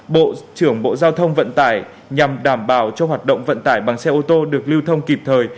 bộ trưởng bộ giao thông vận tải nhằm đảm bảo cho hoạt động vận tải bằng xe ô tô được lưu thông kịp thời